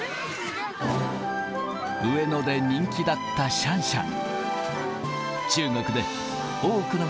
上野で人気だったシャンシャン。